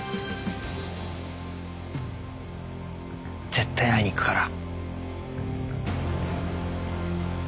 絶対会いに行くから。